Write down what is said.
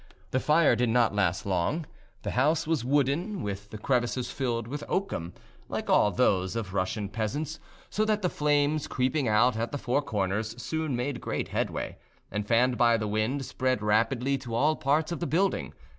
The fire did not last long: the house was wooden, with the crevices filled with oakum, like all those of Russian peasants, so that the flames, creeping out at the four corners, soon made great headway, and, fanned by the wind, spread rapidly to all parts of the building.